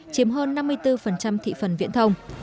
chiếm hơn năm mươi bốn thị phần viễn thông